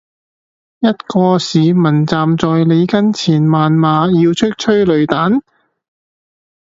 一個市民站在你跟前謾罵要出催淚彈？